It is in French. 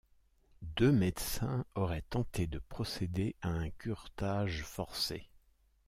Deux médecins auraient tenté de procéder à un curetage forcé.